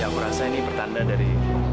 ya aku rasa ini pertanda dari